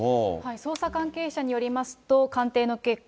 捜査関係者によりますと、鑑定の結果、